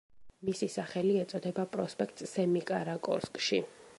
მისი სახელი ეწოდება პროსპექტს სემიკარაკორსკში.